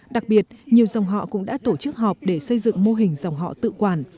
đặc biệt nhiều dòng họ cũng đã tổ chức họp để xây dựng mô hình dòng họ tự quản